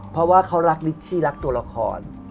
เพราะว่าเขารักนิชชี่รักตัวละคร